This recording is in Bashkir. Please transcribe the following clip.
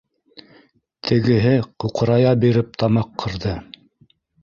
Тегеһе ҡуҡырая биреп тамаҡ ҡырҙы